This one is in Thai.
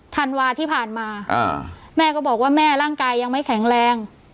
ธันวาที่ผ่านมาแม่ก็บอกว่าแม่ร่างกายยังไม่แข็งแรง